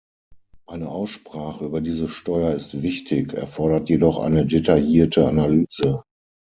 Eine Aussprache über diese Steuer ist wichtig, erfordert jedoch eine detaillierte Analyse.